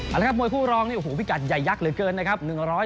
เอาละครับมวยคู่รองนี่โอ้โหพิกัดใหญ่ยักษ์เหลือเกินนะครับ